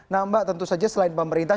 nah mbak tentu saja selain pemerintah